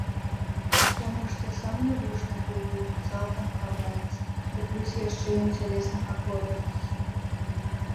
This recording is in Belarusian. Таму што сам навушнік у вуху цалкам хаваецца, ды плюс яшчэ ён цялеснага колеру.